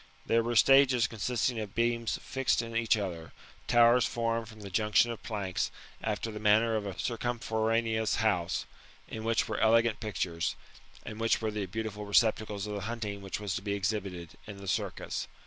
There were stages consisting of beams fixed in each other, towers formed from the junction of planks, after the manner of a circumforaneous house, in which were elegant pictures, and which were the beautiful iBoeptacles of the hunting which was to be exhibited [in the Circus.